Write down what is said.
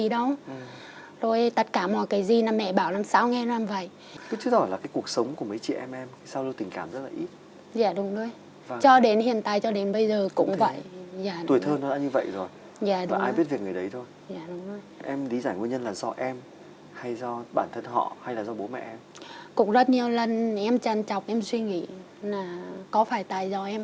do bản thân họ hay là do bố mẹ em cũng rất nhiều lần em tràn trọc em suy nghĩ là có phải tại do em